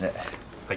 はい。